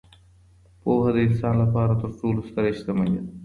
پوهه د انسان لپاره تر ټولو ستره شتمني ده.